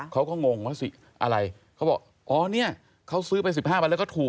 เขาก็งงว่าสิอะไรเขาบอกอ๋อเนี่ยเขาซื้อไป๑๕วันแล้วก็ถูก